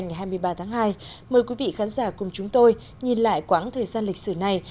ngày hai mươi ba tháng hai mời quý vị khán giả cùng chúng tôi nhìn lại quãng thời gian lịch sử này